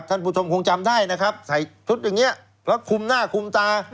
ท่านผู้ชมคงจำได้นะครับใส่ชุดอย่างนี้แล้วคุมหน้าคุมตา